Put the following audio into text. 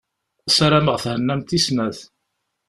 Sarameɣ thennamt i snat.